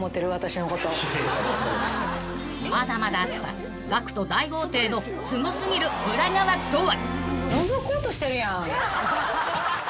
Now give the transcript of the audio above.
［まだまだあったＧＡＣＫＴ大豪邸のすご過ぎる裏側とは］